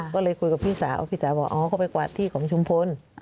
ก็เลยคุยกับพี่สาวพี่สาวบอกอ๋อเขาไปกวาดที่ของชุมพล